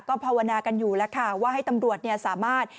ภาวนากันอยู่แล้วค่ะว่าให้ตำรวจสามารถ